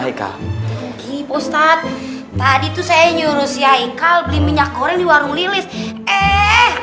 haikal gini ustadz tadi tuh saya nyuruh si haikal beli minyak goreng di warung lilis eh